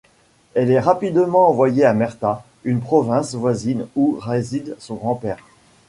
Elle est rapidement envoyée à Merta, une province voisine où réside son grand-père.